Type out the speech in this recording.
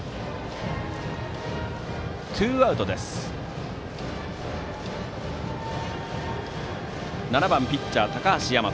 ツーアウトで打席は７番ピッチャー、高橋大和。